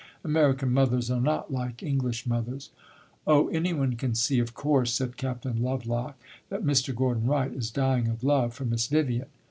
American mothers are not like English mothers." "Oh, any one can see, of course," said Captain Lovelock, "that Mr. Gordon Wright is dying of love for Miss Vivian."